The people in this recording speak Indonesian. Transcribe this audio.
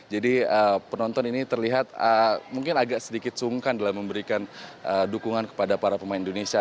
jadi penonton ini terlihat mungkin agak sedikit sungkan dalam memberikan dukungan kepada para pemain indonesia